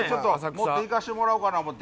浅草行かせてもらおうかなと思って。